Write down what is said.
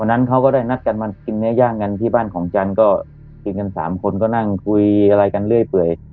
นั้นเขาก็ได้นัดกันมากินเนื้อย่างกันที่บ้านของจันทร์ก็กินกัน๓คนก็นั่งคุยอะไรกันเรื่อย